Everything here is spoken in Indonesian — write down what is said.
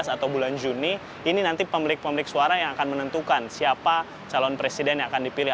atau bulan juni ini nanti pemilik pemilik suara yang akan menentukan siapa calon presiden yang akan dipilih